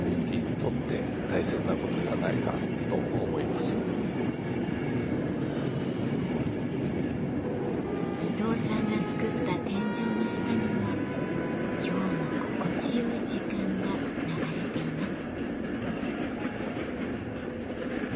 ですからあの伊東さんがつくった天井の下には今日も心地よい時間が流れています。